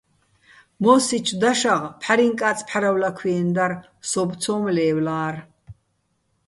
მო́სსიჩო̆ დაშაღ "ფჰ̦არიჼკაწ, ფჰ̦არავლაქვიენო̆" დარ, სოუბო̆ ცო́მ ლე́ვლა́რ.